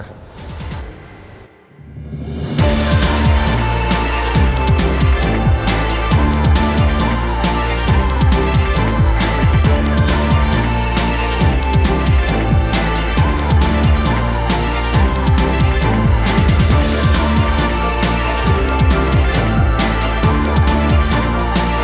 ขอบคุณนะครับ